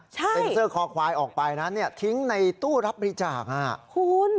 เซ็นเซอร์คอควายออกไปนะเนี่ยทิ้งในตู้รับบริจาคคุณ